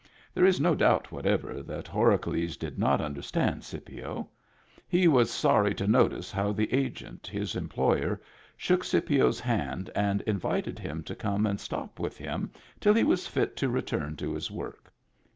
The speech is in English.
There is no doubt whatever that Horacles did not understand Scipio. He was sorry to notice how the Agent, his employer, shook Scipio's hand and invited him to come and stop with him till he was fit to return to his work.